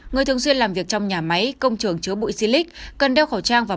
người thường xuyên làm việc trong nhà máy công trường chứa bụi xy lích cần đeo khẩu trang và